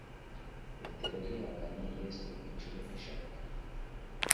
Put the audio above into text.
petero yihakanye yesu inshuro eshatu